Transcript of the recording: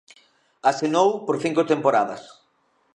Asinou por cinco temporadas.